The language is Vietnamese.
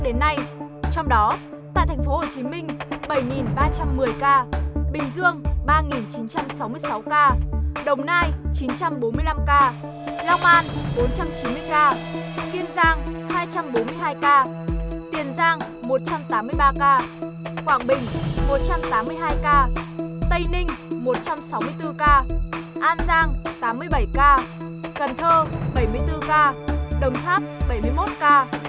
trong đó tại thành phố hồ chí minh bảy ba trăm một mươi ca bình dương ba chín trăm sáu mươi sáu ca đồng nai chín trăm bốn mươi năm ca long an bốn trăm chín mươi ca kiên giang hai trăm bốn mươi hai ca tiền giang một trăm tám mươi ba ca quảng bình một trăm tám mươi hai ca tây ninh một trăm sáu mươi bốn ca an giang tám mươi bảy ca cần thơ bảy mươi bốn ca đồng tháp bảy mươi một ca